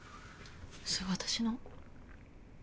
それ私の。